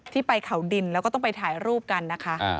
ไปเขาดินแล้วก็ต้องไปถ่ายรูปกันนะคะ